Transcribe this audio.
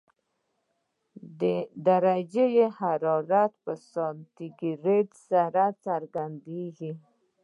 درجه حرارت په سانتي ګراد سره څرګندېږي.